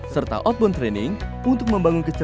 serta outbound training untuk membangun kesehatan